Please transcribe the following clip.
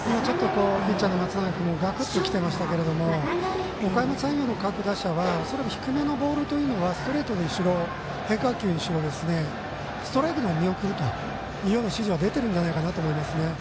ピッチャーの松永君もガクッときてましたけどおかやま山陽の各打者は恐らく低めのボールというのはストレートにしろ変化球にしろ見送るという指示は出てるんじゃないかなと思いますね。